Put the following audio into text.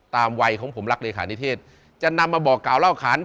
วัยของผมรักเลขานิเทศจะนำมาบอกกล่าวเล่าขาน